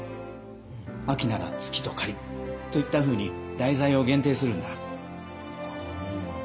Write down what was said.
秋なら「月と雁」といったふうに題材を限定するんだ。